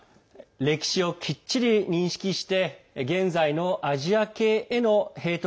歴史をきっちり認識して現在のアジア系へのヘイト